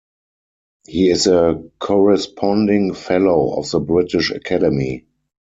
He is a Corresponding Fellow of the British Academy.